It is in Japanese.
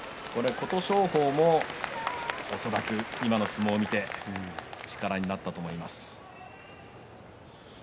琴勝峰も今の相撲を見て力になったと思います。